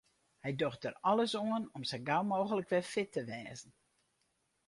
Hy docht der alles oan om sa gau mooglik wer fit te wêzen.